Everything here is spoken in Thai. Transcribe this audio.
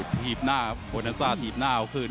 พยีบหน้าโพดันซ่าพยีบหน้าเข้าขึ้น